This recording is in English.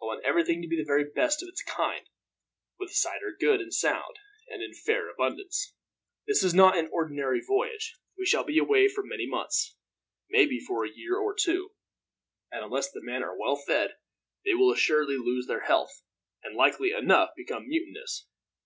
I want everything to be the very best of its kind, with cider good, and sound, and in fair abundance. "This is not an ordinary voyage. We shall be away for many months, maybe for a year or two; and unless the men are well fed they will assuredly lose their health, and likely enough become mutinous.